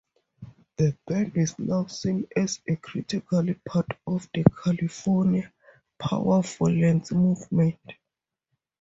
The band is now seen as a critical part of the California powerviolence movement.